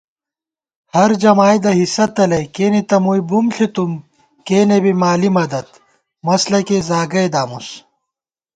ہرجمائیدہ حصہ تلَئ کېنےتہ مُئی بُم ݪِتُم کېنےبی مالی مددمسلَکےزاگئی دامُس